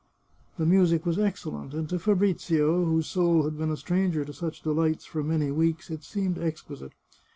" The music was excellent, and to Fabrizio, whose soul had been a stranger to such delights for many weeks, it seemed exquisite.